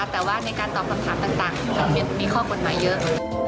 แต่ว่าในการตอบคำถามต่างมีข้อกฎหมายเยอะ